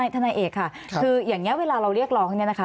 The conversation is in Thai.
ทนายเอกค่ะคืออย่างนี้เวลาเราเรียกร้องเนี่ยนะคะ